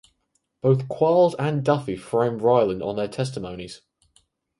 Both Quarles and Duffy frame Raylan on their testimonies.